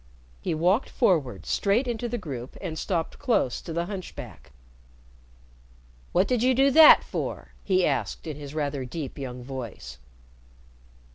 He walked forward straight into the group and stopped close to the hunchback. "What did you do that for?" he asked, in his rather deep young voice.